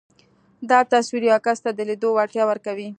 دا تصور يو کس ته د ليدلو وړتيا ورکوي.